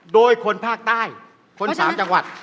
โดยคนภาคใต้คน๓จังหวัด